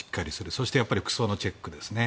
そして服装のチェックですね。